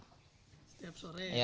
setiap sore ya